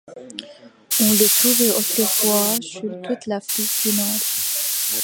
On le trouvait autrefois sur toute l'Afrique du Nord.